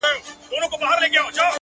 • د مېړنیو د سنګر مېنه ده,